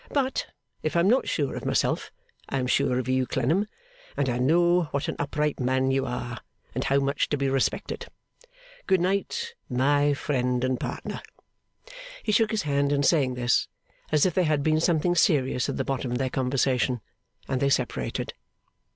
'But, if I am not sure of myself, I am sure of you, Clennam, and I know what an upright man you are, and how much to be respected. Good night, my friend and partner!' He shook his hand in saying this, as if there had been something serious at the bottom of their conversation; and they separated.